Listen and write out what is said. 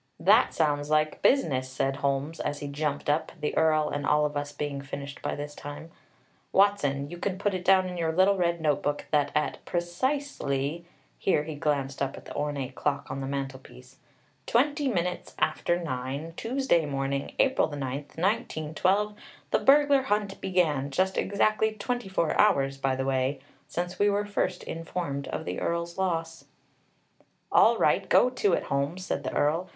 "That sounds like business," said Holmes, as he jumped up, the Earl and all of us being finished by this time. "Watson, you can put it down in your little red notebook that at precisely" here he glanced up at the ornate clock on the mantelpiece "twenty minutes after nine, Tuesday morning, April the ninth, 1912, the burglar hunt began; just exactly twenty four hours, by the way, since we were first informed of the Earl's loss." "All right, go to it, Holmes," said the Earl.